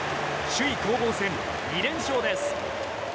首位攻防戦２連勝です。